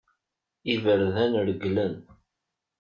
Iberdan regglen.